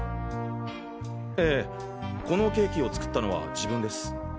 ええこのケーキを作ったのは自分です。